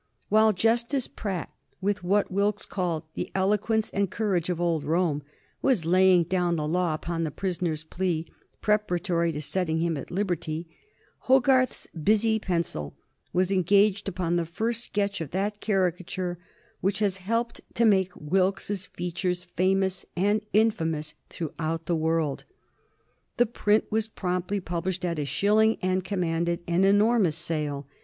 While Justice Pratt, with what Wilkes called "the eloquence and courage of old Rome," was laying down the law upon the prisoner's plea preparatory to setting him at liberty, Hogarth's busy pencil was engaged upon the first sketch for that caricature which has helped to make Wilkes's features famous and infamous throughout the world. The print was promptly published at a shilling, and commanded an enormous sale.